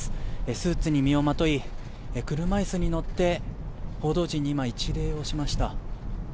スーツを身をまとい車いすに乗って報道陣に今、一礼をしました。